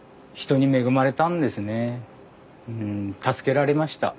助けられました。